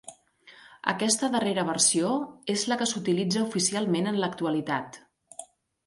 Aquesta darrera versió és la que s'utilitza oficialment en l'actualitat.